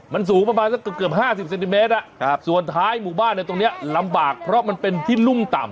มันสูงประมาณสักเกือบ๕๐เซนติเมตรส่วนท้ายหมู่บ้านตรงนี้ลำบากเพราะมันเป็นที่รุ่มต่ำ